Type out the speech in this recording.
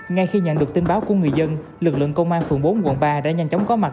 ngay khi nhận được tin báo của người dân lực lượng công an phường bốn quận ba đã nhanh chóng có mặt